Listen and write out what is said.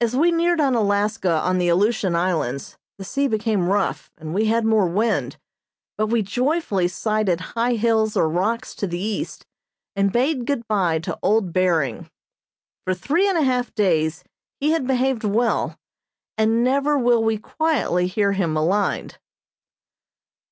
As we neared Unalaska on the Aleutian Islands, the sea became rough, and we had more wind, but we joyfully sighted high hills or rocks to the east, and bade good bye to old Behring. For three and a half days he had behaved well, and never will we quietly hear him maligned.